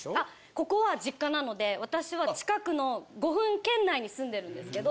ここは実家なので私は近くの５分圏内に住んでるんですけど。